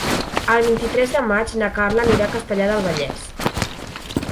El vint-i-tres de maig na Carla anirà a Castellar del Vallès.